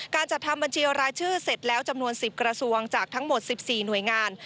การจัดทำบัญชีรายชื่อเสร็จแล้วจำนวน๑๐กระทรวงจากทั้งหมด๑๔หน่วยงาน